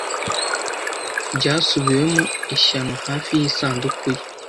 Byasubiwemo ishyano hafi y'isanduku ye